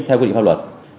theo quy định pháp luật